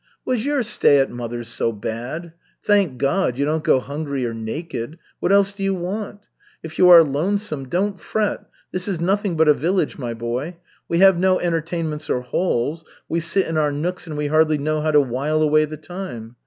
"Was your stay at mother's so bad? Thank God, you don't go hungry or naked. What else do you want? If you are lonesome, don't fret. This is nothing but a village, my boy. We have no entertainments or halls, we sit in our nooks and we hardly know how to while away the time.